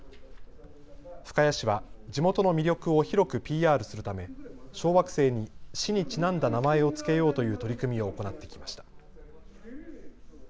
深谷市は地元の魅力を広くＰＲするため小惑星に市にちなんだ名前を付けようという取り組みを行ってきました。